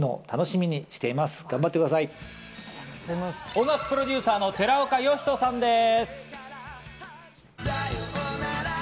音楽プロデューサーの寺岡呼人さんです。